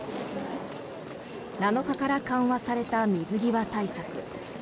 ７日から緩和された水際対策。